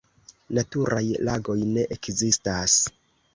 Naturaj lagoj ne ekzistas.